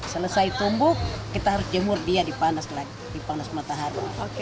selesai tumbuh kita harus jemur dia dipanas matahari